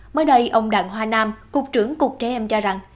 mới đây ông đặng hoa nam cục trưởng cục trẻ em cho rằng